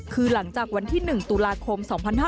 คือหลังจากวันที่๑ตุลาคม๒๕๕๙